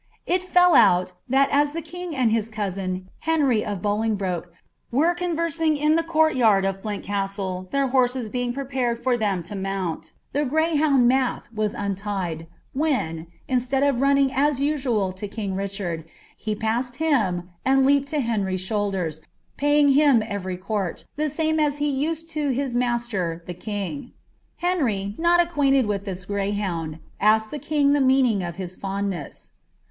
It fell uu[, titat as the king and his cousin. flesiyofllA lingbfoke, were conversing in the cnuri yard of Flint Castle, tharbtnM being preparing for them to mouni, the greyhound Math was naiiii when, instead of running as usual to king Richard, he paaaod ium, a' leaped to Henry's sliouliiers, paying him every court, the saas w bi tided lo hie master, the king. Henry, noi acquainted with this grcc huund, asked the king die meaning of his fondness.